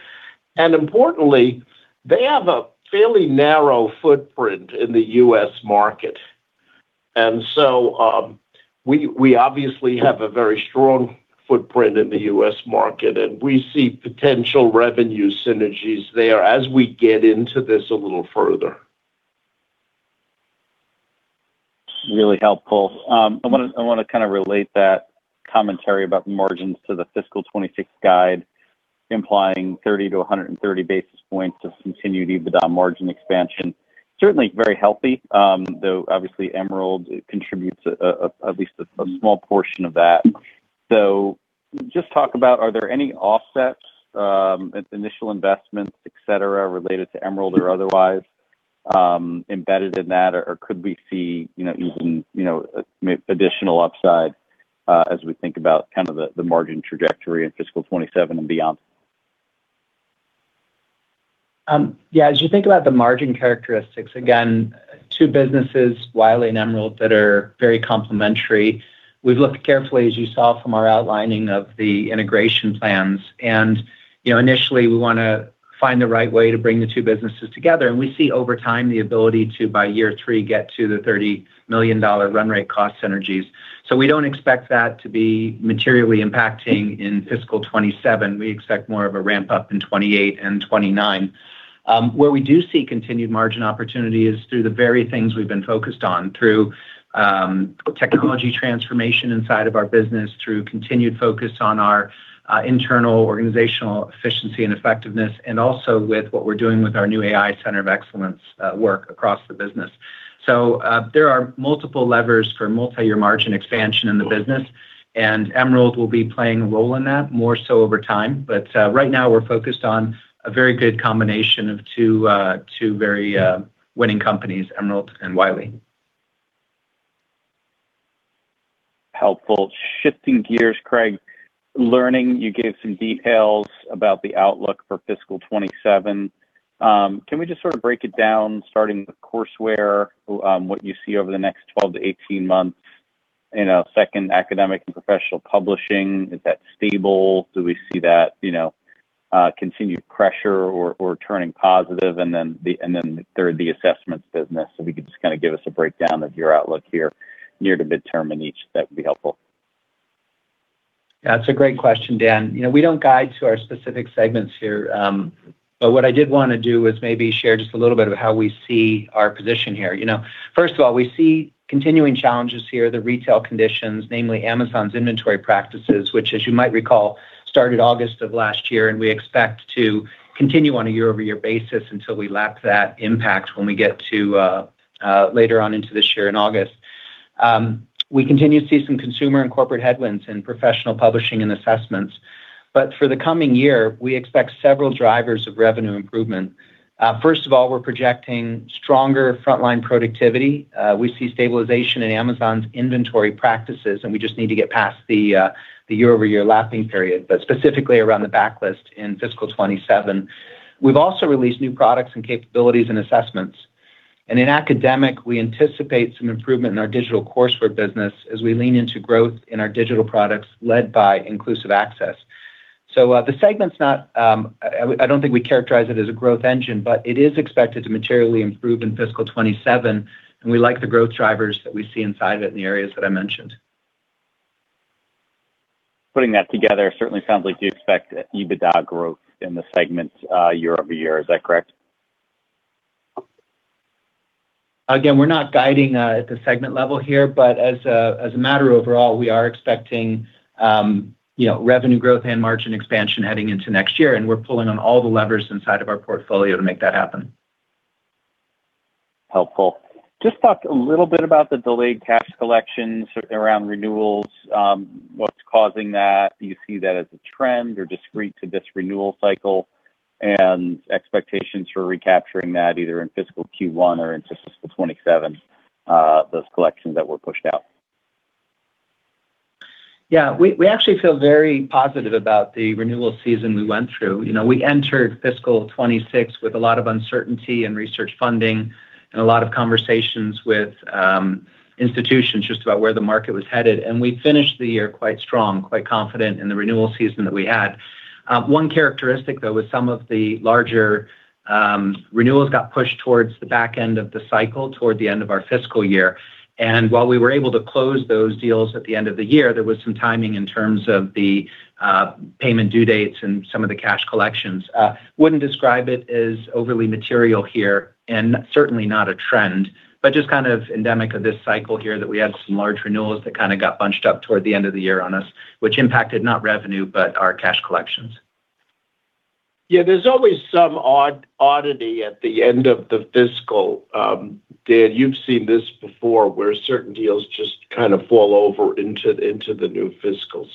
Importantly, they have a fairly narrow footprint in the U.S. market. We obviously have a very strong footprint in the U.S. market, and we see potential revenue synergies there as we get into this a little further.
Really helpful. I want to kind of relate that commentary about margins to the fiscal 2026 guide, implying 30-130 basis points of continued EBITDA margin expansion. Certainly very healthy, though obviously Emerald contributes at least a small portion of that. Just talk about, are there any offsets, initial investments, et cetera, related to Emerald or otherwise embedded in that? Or could we see even additional upside as we think about the margin trajectory in fiscal 2027 and beyond?
Yeah. As you think about the margin characteristics, again, two businesses, Wiley and Emerald, that are very complementary. We've looked carefully, as you saw from our outlining of the integration plans, and initially, we want to find the right way to bring the two businesses together, and we see over time the ability to, by year three, get to the $30 million run rate cost synergies. We don't expect that to be materially impacting in fiscal 2027. We expect more of a ramp-up in 2028 and 2029. Where we do see continued margin opportunity is through the very things we've been focused on, through technology transformation inside of our business, through continued focus on our internal organizational efficiency and effectiveness, and also with what we're doing with our new AI Center of Excellence work across the business. There are multiple levers for multi-year margin expansion in the business, and Emerald will be playing a role in that, more so over time. Right now, we're focused on a very good combination of two very winning companies, Emerald and Wiley.
Helpful. Shifting gears, Craig, learning, you gave some details about the outlook for fiscal 2027. Can we just sort of break it down starting with the courseware, what you see over the next 12-18 months? Second, academic and professional publishing, is that stable? Do we see that continued pressure or turning positive? Then the third, the assessments business. If you could just give us a breakdown of your outlook here, near-to-midterm in each, that would be helpful.
That's a great question, Dan. We don't guide to our specific segments here. What I did want to do was maybe share just a little bit of how we see our position here. First of all, we see continuing challenges here. The retail conditions, namely Amazon's inventory practices, which, as you might recall, started August of last year, and we expect to continue on a year-over-year basis until we lap that impact when we get to later on into this year, in August. We continue to see some consumer and corporate headwinds in professional publishing and assessments. For the coming year, we expect several drivers of revenue improvement. First of all, we're projecting stronger frontlist productivity. We see stabilization in Amazon's inventory practices, and we just need to get past the year-over-year lapping period, but specifically around the backlist in fiscal 2027. We've also released new products and capabilities in assessments. In academic, we anticipate some improvement in our digital courseware business as we lean into growth in our digital products led by inclusive access. The segment is not, I don't think we characterize it as a growth engine, but it is expected to materially improve in fiscal 2027, and we like the growth drivers that we see inside of it in the areas that I mentioned.
Putting that together, it certainly sounds like you expect EBITDA growth in the segment year-over-year. Is that correct?
We're not guiding at the segment level here, but as a matter overall, we are expecting revenue growth and margin expansion heading into next year, and we're pulling on all the levers inside of our portfolio to make that happen.
Helpful. Just talk a little bit about the delayed cash collections around renewals. What's causing that? Do you see that as a trend or discrete to this renewal cycle, and expectations for recapturing that, either in fiscal Q1 or into fiscal 2027, those collections that were pushed out?
Yeah. We actually feel very positive about the renewal season we went through. We entered fiscal 2026 with a lot of uncertainty in research funding and a lot of conversations with institutions just about where the market was headed, and we finished the year quite strong, quite confident in the renewal season that we had. One characteristic, though, was some of the larger renewals got pushed towards the back end of the cycle, toward the end of our fiscal year. While we were able to close those deals at the end of the year, there was some timing in terms of the payment due dates and some of the cash collections. Wouldn't describe it as overly material here, and certainly not a trend, but just kind of endemic of this cycle here, that we had some large renewals that kind of got bunched up toward the end of the year on us, which impacted, not revenue, but our cash collections.
Yeah. There's always some oddity at the end of the fiscal. Dan, you've seen this before, where certain deals just kind of fall over into the new fiscal.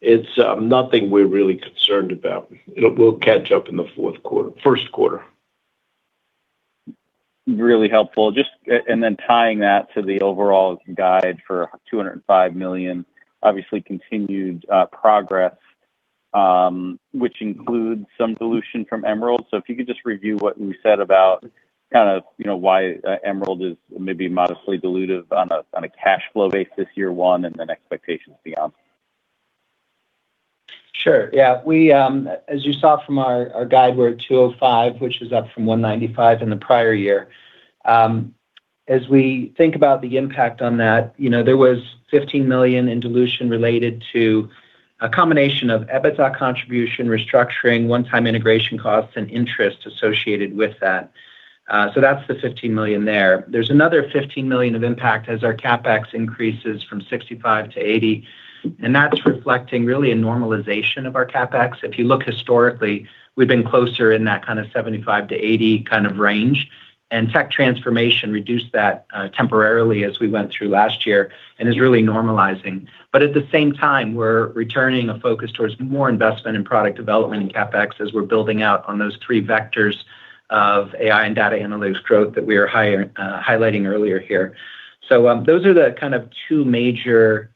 It's nothing we're really concerned about. It will catch up in the first quarter.
Really helpful. Tying that to the overall guide for $205 million, obviously continued progress, which includes some dilution from Emerald. If you could just review what we said about why Emerald is maybe modestly dilutive on a cash flow base this year one, and then expectations beyond.
Sure. Yeah. As you saw from our guide, we're at $205, which is up from $195 in the prior year. As we think about the impact on that, there was $15 million in dilution related to a combination of EBITDA contribution restructuring, one-time integration costs, and interest associated with that. That's the $15 million there. There's another $15 million of impact as our CapEx increases from $65 to $80, and that's reflecting really a normalization of our CapEx. If you look historically, we've been closer in that kind of $75 to $80 kind of range. Tech transformation reduced that temporarily as we went through last year and is really normalizing. At the same time, we're returning a focus towards more investment in product development and CapEx as we're building out on those three vectors of AI and Data Analytics growth that we were highlighting earlier here. Those are the two major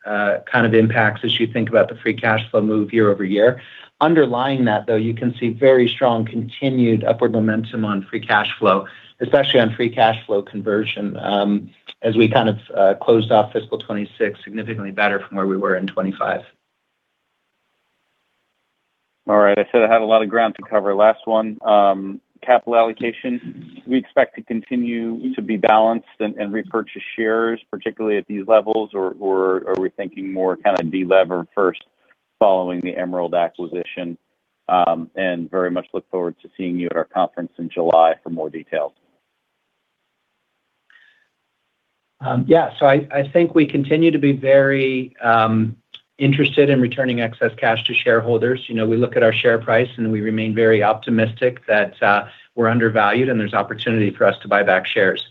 kind of impacts as you think about the free cash flow move year-over-year. Underlying that, though, you can see very strong continued upward momentum on free cash flow, especially on free cash flow conversion as we closed off fiscal 2026 significantly better from where we were in 2025.
All right. I said I had a lot of ground to cover. Last one, capital allocation. We expect to continue to be balanced and repurchase shares, particularly at these levels, or are we thinking more kind of de-lever first following the Emerald acquisition? Very much look forward to seeing you at our conference in July for more details.
Yeah. I think we continue to be very interested in returning excess cash to shareholders. We look at our share price, and we remain very optimistic that we're undervalued and there's opportunity for us to buy back shares.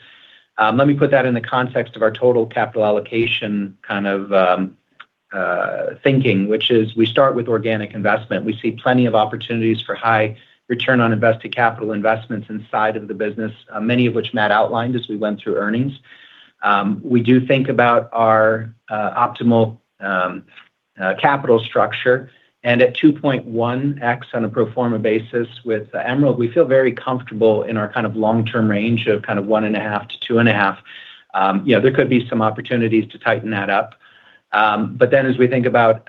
Let me put that in the context of our total capital allocation kind of thinking, which is we start with organic investment. We see plenty of opportunities for high return on invested capital investments inside of the business, many of which Matt outlined as we went through earnings. We do think about our optimal capital structure and at 2.1x on a pro forma basis with Emerald, we feel very comfortable in our kind of long-term range of kind of 1.5x-2.5x. There could be some opportunities to tighten that up. As we think about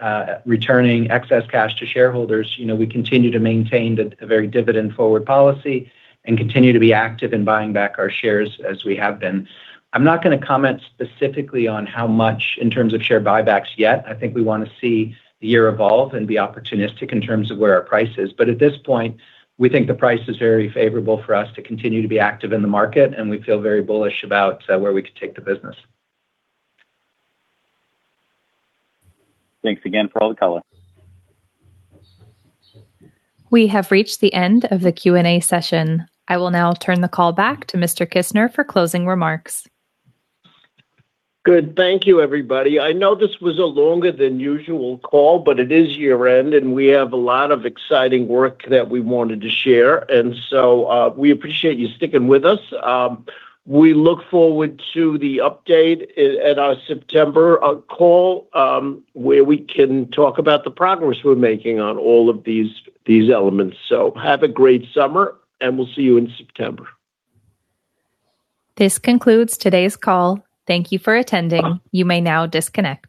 returning excess cash to shareholders, we continue to maintain a very dividend-forward policy and continue to be active in buying back our shares as we have been. I'm not going to comment specifically on how much in terms of share buybacks yet. I think we want to see the year evolve and be opportunistic in terms of where our price is. At this point, we think the price is very favorable for us to continue to be active in the market, and we feel very bullish about where we could take the business.
Thanks again for all the color.
We have reached the end of the Q&A session. I will now turn the call back to Mr. Kissner for closing remarks.
Good. Thank you, everybody. I know this was a longer than usual call. It is year-end, and we have a lot of exciting work that we wanted to share. We appreciate you sticking with us. We look forward to the update at our September call, where we can talk about the progress we're making on all of these elements. Have a great summer, and we'll see you in September.
This concludes today's call. Thank you for attending. You may now disconnect.